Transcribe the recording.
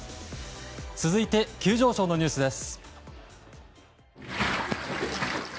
続いて、急上昇のニュースです。